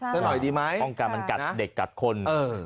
ใช่ต้องกำลังกัดเด็กกับคน